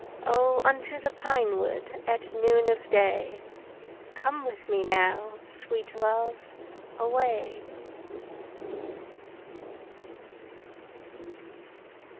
O unto the pine wood At noon of day Come with me now, Sweet love, away.